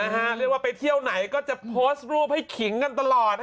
แต่ว่าไปเที่ยวไหนก็จะโพสรูปในหิงกันตลอด